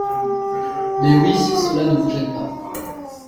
Mais, oui, si cela ne vous gêne pas.